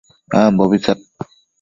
ambobi tsad